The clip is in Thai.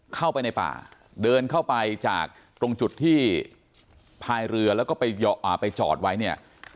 เข้าไปในป่าเดินเข้าไปจากตรงจุดที่พายเรือแล้วก็ไปจอดไว้เนี่ย